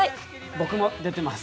僕も出てます。